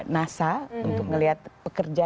nasa untuk melihat pekerja